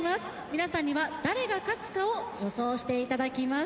皆さんには誰が勝つかを予想して頂きます。